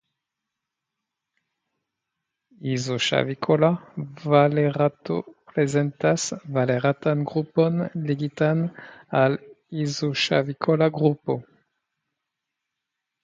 Izoŝavikola valerato prezentas valeratan grupon ligitan al izoŝavikola grupo.